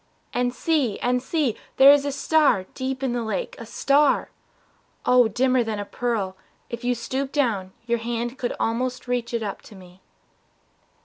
And see, and see, There is a star, deep in the lake, a star! Oh, dimmer than a pearl if you stoop down Your hand could almost reach it up to me.